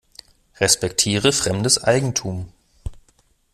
Respektiere fremdes Eigentum.